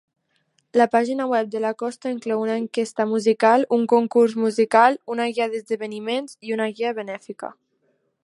La pàgina web de la costa inclou una enquesta musical, un concurs musical, una guia d"esdeveniments i una guia benèfica.